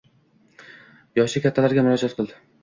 Yoshi kattalarga murojaat qil